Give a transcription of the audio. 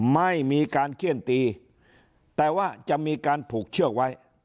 ไม่มีการเขี้ยนตีแต่ว่าจะมีการผูกเชือกไว้